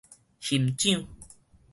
熊掌